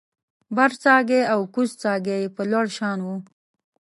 برڅاګی او کوزڅاګی یې په لوړ شان و